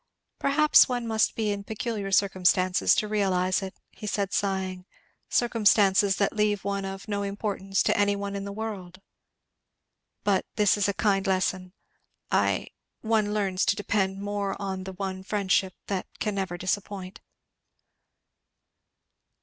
"Perhaps one must be in peculiar circumstances to realize it," he said sighing; "circumstances that leave one of no importance to any one in the world. But it is a kind lesson I one learns to depend more on the one friendship that can never disappoint."